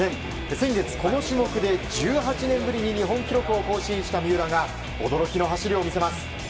先月、この種目で１８年ぶりに日本記録を更新した三浦が驚きの走りを見せます。